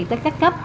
tới các cấp